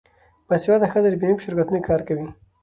باسواده ښځې د بیمې په شرکتونو کې کار کوي.